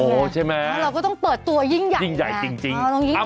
โอ๋ใช่ไหมแต่เราก็ต้องเปิดตัวยิ่งใหญ่แน่ะจริงเอาต้องยิ่งใหญ่